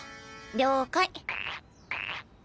了解。